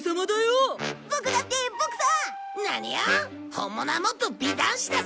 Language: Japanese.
本物はもっと美男子だぞ！